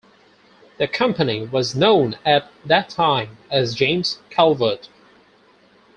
The company was known at that time as James Calvert.